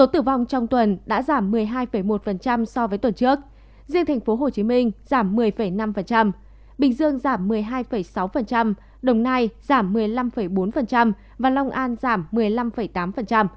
trong tuần đã giảm một mươi hai một so với tuần trước riêng tp hcm giảm một mươi năm bình dương giảm một mươi hai sáu đồng nai giảm một mươi năm bốn và long an giảm một mươi năm tám